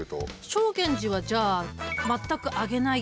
正源司はじゃあ全く上げない。